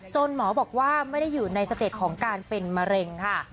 หมอบอกว่าไม่ได้อยู่ในสเต็ปของการเป็นมะเร็งค่ะ